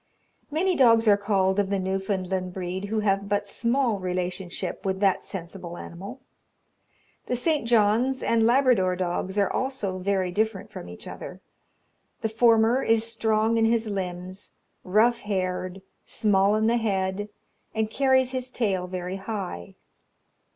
Many dogs are called of the Newfoundland breed who have but small relationship with that sensible animal. The St. John's and Labrador dogs are also very different from each other. The former is strong in his limbs, rough haired, small in the head, and carries his tail very high.